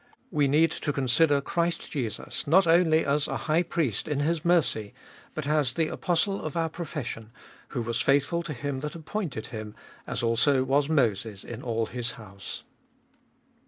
We need to consider Christ Jesus, not only as a High Priest in His mercy, but as the Apostle of our profession who was faithful to Him that appointed Him, as also was Moses in all his house.